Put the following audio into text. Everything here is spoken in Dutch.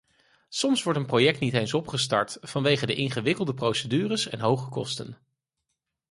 Soms wordt een project niet eens opgestart vanwege de ingewikkelde procedures en hoge kosten.